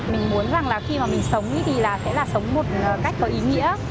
mình muốn rằng là khi mà mình sống thì là sẽ là sống một cách có ý nghĩa